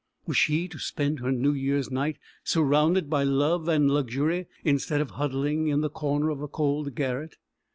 Was she to spend her New Year's night surrounded by love and luxury, instead of huddling in the corner of a cold garret?